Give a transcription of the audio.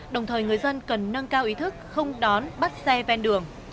đồng thời người dân cần nâng cao ý thức không đón bắt xe ven đường